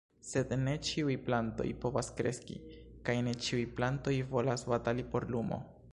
Sed ne ĉiuj plantoj povas kreski, kaj ne ĉiuj plantoj volas batali por lumo.